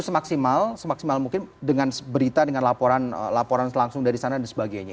semaksimal semaksimal mungkin dengan berita dengan laporan langsung dari sana dan sebagainya